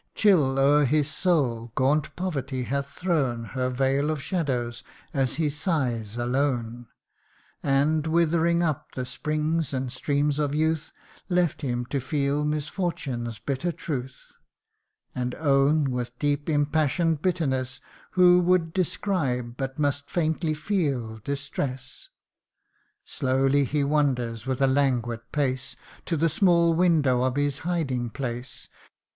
Chill o'er his soul, gaunt poverty hath thrown Her veil of shadows, as he sighs alone ; And, withering up the springs and streams of youth, Left him to feel misfortune's bitter truth, And own with deep, impassion 'd bitterness, Who would describe must faintly feel, distress. Slowly he wanders, with a languid pace, To the small window of his hiding place ; CANTO III.